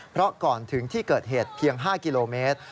เพราะก่อนถึงที่เกิดเหตุเพียง๕กิโลเมตร